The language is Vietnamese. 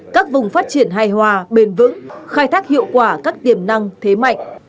các vùng phát triển hài hòa bền vững khai thác hiệu quả các tiềm năng thế mạnh